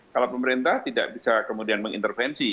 kalau pemerintah tidak bisa kemudian mengintervensi